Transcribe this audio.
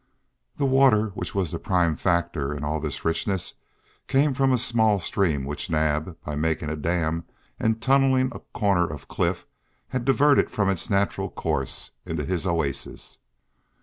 The water which was the prime factor in all this richness came from a small stream which Naab, by making a dam and tunnelling a corner of cliff, had diverted from its natural course into his oasis.